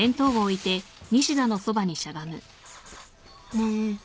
ねえ。